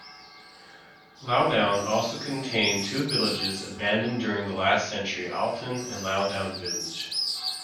Loudoun also contained two villages abandoned during the last century, "Alton" and "Loudoun Village".